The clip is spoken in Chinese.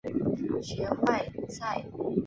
学坏晒！